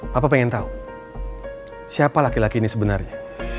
papa pengen tau siapa laki laki ini sebenarnya